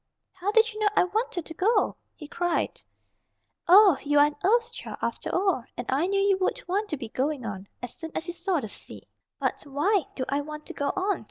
"How did you know I wanted to go?" he cried. "Oh, you are an Earth Child, after all, and I knew you would want to be going on, as soon as you saw the sea." "But why do I want to go on?"